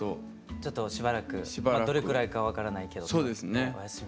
ちょっとしばらくどれくらいか分からないけどお休み。